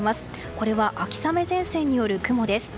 これは秋雨前線による雲です。